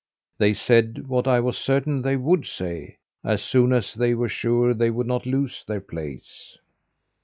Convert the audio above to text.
They said, what I was certain they would say, as soon as they were sure they would not lose their place.